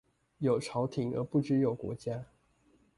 有朝廷而不知有國家